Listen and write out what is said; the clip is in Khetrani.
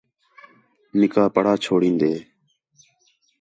نِکاح پڑھا چھوڑان٘دے